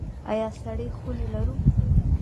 آیا سړې خونې لرو؟